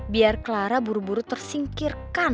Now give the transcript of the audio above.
biar clara buru buru tersingkirkan